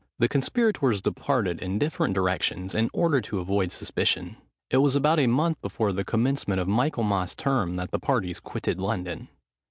The conspirators departed in different directions, in order to avoid suspicion. It was about a month before the commencement of Michaelmas term that the parties quitted London.